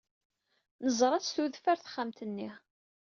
Neẓra-tt tudef ɣer texxamt-nni.